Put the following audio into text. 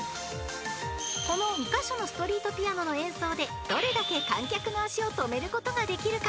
［この２カ所のストリートピアノの演奏でどれだけ観客の足を止めることができるか？］